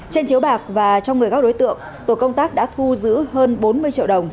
trên chiếu bạc và trong người các đối tượng tổ công tác đã thu giữ hơn bốn mươi triệu đồng